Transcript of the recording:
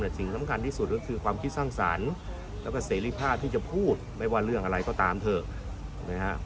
แต่สิ่งสำคัญที่สุดก็คือความคิดสร้างสรรค์แล้วก็เสรีภาพที่จะพูดไม่ว่าเรื่องอะไรก็ตามเถอะนะฮะ